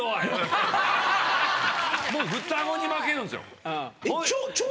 もう双子に負けるんですよ。